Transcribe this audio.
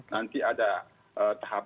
nanti ada tahap dua